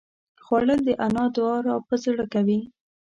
خوړل د انا دعا راپه زړه کوي